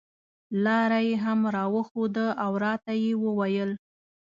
لاره یې هم راښوده او راته یې وویل.